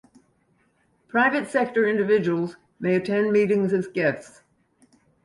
Private sector individuals may attend meetings as guests.